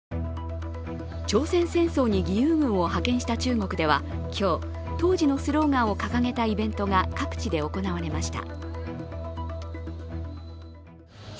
朝鮮戦争に義勇軍を派遣した中国では今日当時のスローガンを掲げたイベントが各地で行われました。